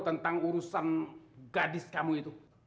tentang urusan gadis kamu itu